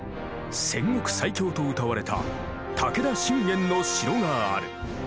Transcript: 戦国最強とうたわれた武田信玄の城がある。